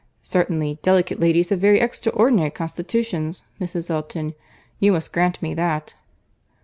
Certainly, delicate ladies have very extraordinary constitutions, Mrs. Elton. You must grant me that."